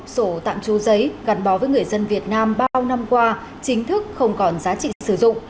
sổ tạm trú giấy gắn bó với người dân việt nam bao năm qua chính thức không còn giá trị sử dụng